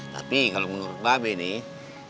tapi kalau menurut mba be nih